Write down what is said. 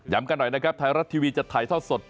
กันหน่อยนะครับไทยรัฐทีวีจะถ่ายทอดสด